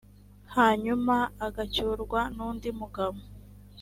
hanyuma agacyurwa n’undi mugabo,